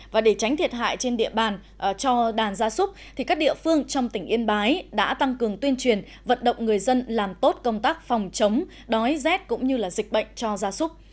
và để tránh thiệt hại trên địa bàn cho đàn gia súc các địa phương trong tỉnh yên bái đã tăng cường tuyên truyền vận động người dân làm tốt công tác phòng chống đói rét cũng như dịch bệnh cho gia súc